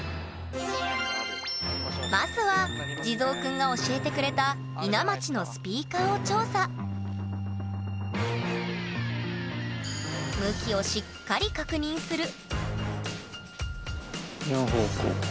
まずは地蔵くんが教えてくれた伊奈町のスピーカーを調査向きをしっかり確認する